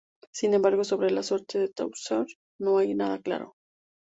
Sin embargo, sobre la suerte de Tausert no hay nada claro.